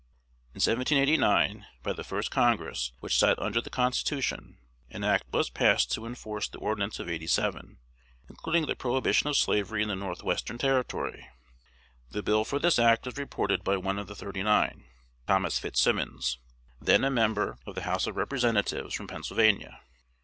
In 1789, by the First Congress which sat under the Constitution, an act was passed to enforce the Ordinance of '87, including the prohibition of slavery in the North western Territory. The bill for this act was reported by one of the "thirty nine," Thomas Fitzsimmons, then a member of the House of Representatives from Pennsylvania.